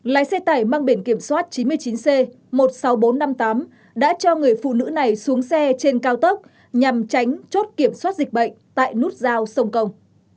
lái xe tải mang biển kiểm soát chín mươi chín c một mươi sáu nghìn bốn trăm năm mươi tám đã cho người phụ nữ này xuống xe trên cao tốc nhằm tránh chốt kiểm soát dịch bệnh tại nút giao sông công